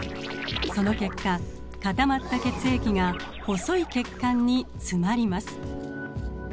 その結果固まった血液が細い血管に詰まります。